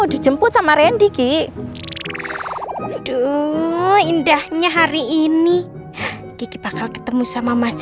dijemput sama randy ki aduh indahnya hari ini gigi bakal ketemu sama mas